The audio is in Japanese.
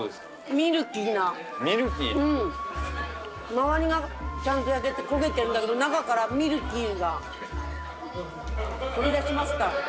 ミルキー？周りがちゃんと焼けて焦げてんだけど中からミルキーが飛び出しますか。